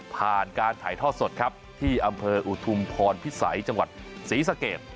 ผ่านการถ่ายทอดสดครับที่อำเภออุทุมพรพิสัยจังหวัดศรีสะเกด